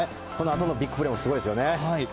このあとのビッグプレーもすごいですよね。